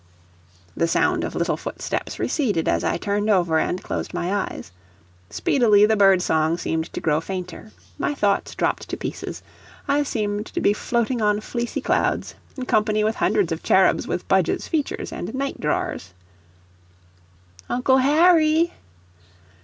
The sound of little footsteps receded as I turned over and closed my eyes. Speedily the bird song seemed to grow fainter; my thoughts dropped to pieces; I seemed to be floating on fleecy clouds, in company with hundreds of cherubs with Budge's features and night drawers "Uncle Harry!"